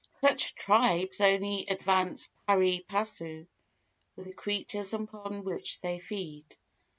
Such tribes only advance pari passu with the creatures upon which they feed.